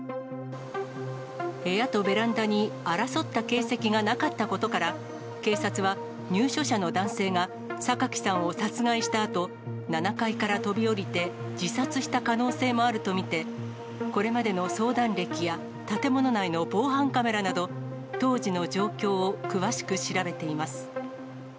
部屋とベランダに争った形跡がなかったことから、警察は入所者の男性が榊さんを殺害したあと、７階から飛び降りて自殺した可能性もあると見て、これまでの相談歴や、建物内の防犯カメラなど、当時の状況を詳しく調べています。